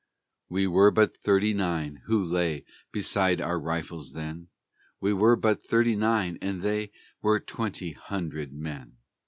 We were but thirty nine who lay Beside our rifles then; We were but thirty nine, and they Were twenty hundred men.